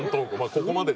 ここまで。